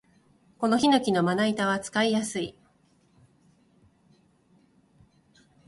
このヒノキのまな板は使いやすい